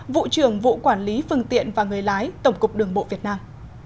vụ trưởng vụ quản lý phương tiện và người lái tổng cục đường bộ việt nam